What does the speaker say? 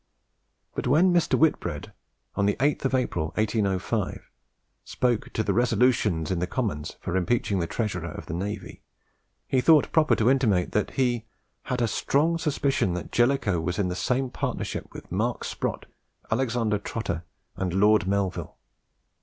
But when Mr. Whitbread, on the 8th of April, 1805, spoke to the "Resolutions" in the Commons for impeaching the Treasurer of the Navy, he thought proper to intimate that he "had a strong suspicion that Jellicoe was in the same partnership with Mark Sprott, Alexander Trotter, and Lord Melville.